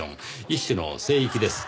一種の聖域です。